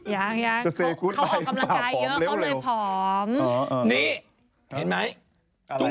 อย่างอย่างเขาออกกำลังกายเยอะเขาหน่อยผอม